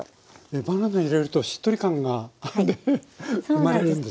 バナナ入れるとしっとり感が生まれるんですか？